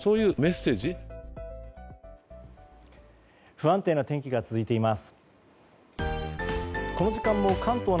不安定な天気が続いています。